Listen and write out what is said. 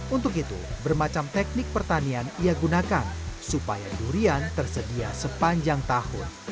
untuk itu bermacam teknik pertanian ia gunakan supaya durian tersedia sepanjang tahun